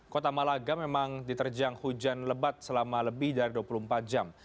kota malaga memang diterjang hujan lebat selama lebih dari dua puluh empat jam